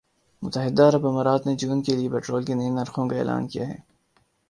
متحدہ عرب امارات نے جون کے لیے پٹرول کے نئے نرخوں کا اعلان کیا ہے